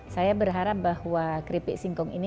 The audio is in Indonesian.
saya berharap bahwa keripik singkong ini